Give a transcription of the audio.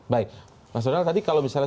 baik mas donald tadi kalau misalnya